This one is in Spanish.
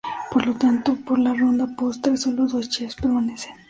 Por lo tanto, por la ronda postre, sólo dos chefs permanecen.